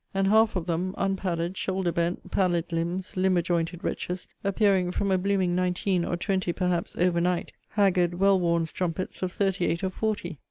And half of them (unpadded, shoulder bent, pallid lips, limber jointed wretches) appearing, from a blooming nineteen or twenty perhaps over night, haggard well worn strumpets of thirty eight or forty.